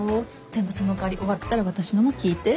でもそのかわり終わったら私のも聞いて。